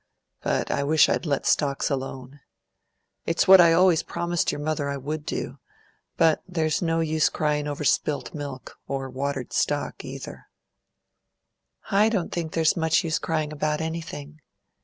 But I wish I'd let stocks alone. It's what I always promised your mother I would do. But there's no use cryin' over spilt milk; or watered stock, either." "I don't think there's much use crying about anything.